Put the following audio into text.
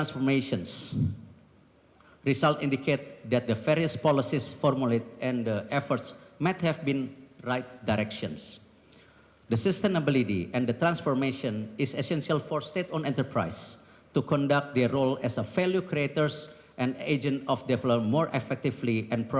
peningkatan laba konsolidasi serta total aset bumn